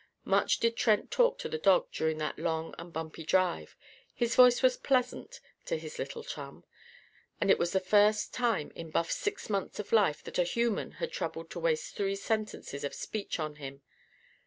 Much did Trent talk to the dog during that long and bumpy drive. His voice was pleasant, to his little chum. And it was the first time in Buff's six months of life that a human had troubled to waste three sentences of speech on him.